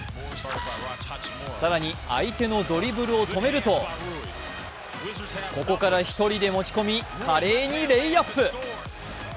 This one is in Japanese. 更に相手のドリブルを止めるとここから１人で持ち込み華麗にレイアップ。